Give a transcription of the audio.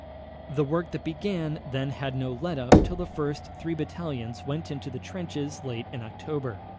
The work that began then had no let up till the first three battalions went into the trenches late in October.